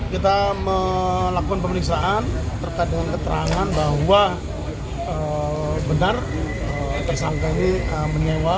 kita melakukan pemeriksaan terkait dengan keterangan bahwa benar tersangka ini menyewa